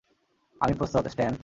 আমি প্রস্তুত, স্ট্যান।